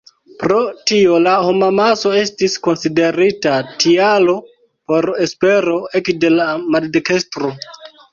Pro tio la homamaso estis konsiderita tialo por espero ekde la maldekstro.